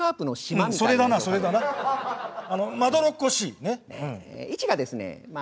まどろっこしいねっ。